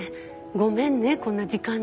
ごめんねこんな時間に。